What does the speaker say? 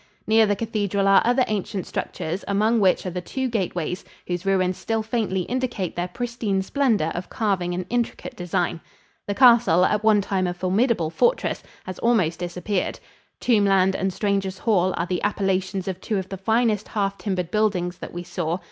Near the cathedral are other ancient structures among which are the two gateways, whose ruins still faintly indicate their pristine splendor of carving and intricate design. The castle, at one time a formidable fortress, has almost disappeared. "Tombland" and "Strangers' Hall" are the appellations of two of the finest half timbered buildings that we saw.